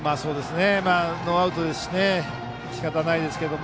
ノーアウトですししかたないですけども。